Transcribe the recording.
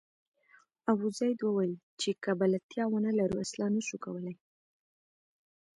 ابوزید وویل چې که بلدتیا ونه لرو اصلاح نه شو کولای.